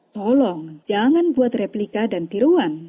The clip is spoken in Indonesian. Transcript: tolong jangan buat replika dan tiruan